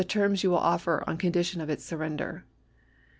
terms you will offer on condition of its surrender."